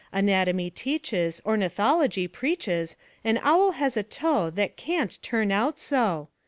Anatomy teaches, Ornithology preaches, An owl has a toe That can't turn out so!